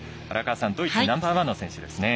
ドイツナンバーワンの選手ですね。